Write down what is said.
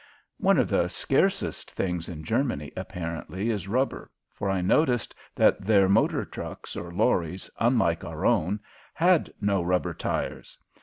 One of the scarcest things in Germany, apparently, is rubber, for I noticed that their motor trucks, or lorries, unlike our own, had no rubber tires.